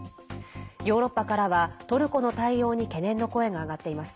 ヨーロッパからはトルコの対応に懸念の声が上がっています。